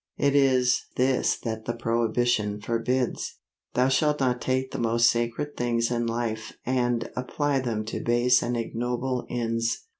It is this that the prohibition forbids. Thou shalt not take the most sacred things in life and apply them to base and ignoble ends.